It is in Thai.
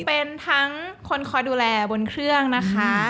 เป็นทั้งคนคอยดูแลบนเครื่องนะคะ